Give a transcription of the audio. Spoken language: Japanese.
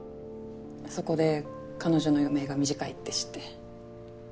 そこで彼女の余命が短いって知って。